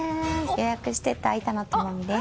予約してた板野友美です。